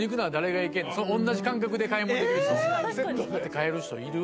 買える人いる？